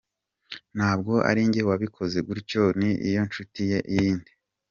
Ntabwo ari njye wabikoze gutyo ni iyo nshuti ye yindi.